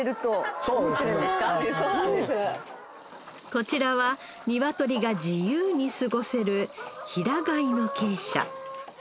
こちらはニワトリが自由に過ごせる平飼いの鶏舎